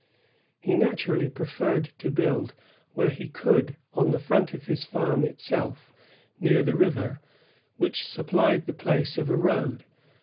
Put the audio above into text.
He naturally preferred to build when he could on the front of his farm itself, near the river, which supplied the place of a road.